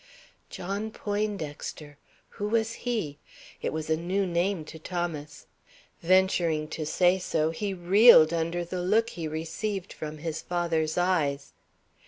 John Poindexter! Who was he? It was a new name to Thomas. Venturing to say so, he reeled under the look he received from his father's eyes.